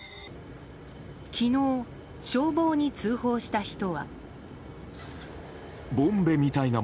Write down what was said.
昨日、消防に通報した人は。